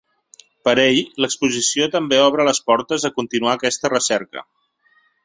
Per ell, l’exposició també obre les portes a continuar aquesta recerca.